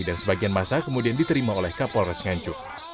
dan sebagian masa kemudian diterima oleh kapolres nganjuk